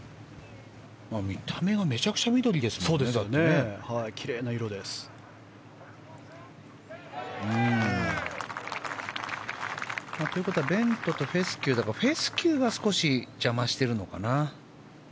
見た目がめちゃくちゃ緑ですね。ということはベントとフェスキューならフェスキューが少し邪魔しているのかな。